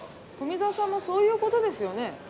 富沢さんもそういうことですよね？